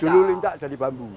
dulu lintak jadi bambu